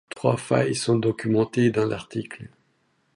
Trois failles sont documentées dans l'article.